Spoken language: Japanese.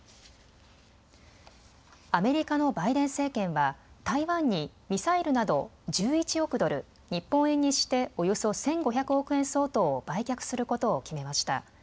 アメリカのバイデン政権は台湾にミサイルなど１１億ドル、日本円にしておよそ１５００億円相当を売却することを決めました。